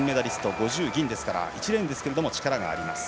５０、銀ですから１レーンですが力があります。